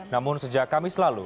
namun sejak kamis lalu